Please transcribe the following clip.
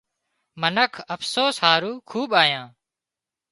منک افسوس هارو کوٻ آيان